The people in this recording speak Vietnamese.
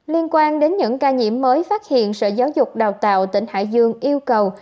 liên quan đến những ca nhiễm mới phát hiện sở giáo dục đào tạo tỉnh hải dương yêu cầu